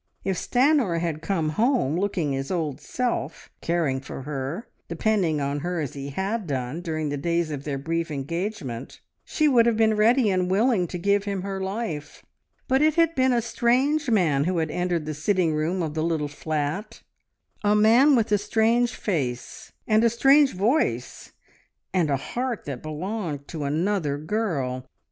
If Stanor had come home, looking his old self, caring for her, depending on her as he had done during the days of their brief engagement, she would have been ready and willing to give him her life, but it had been a strange man who had entered the sitting room of the little flat, a man with a strange face, and a strange voice, and a heart that belonged to another girl.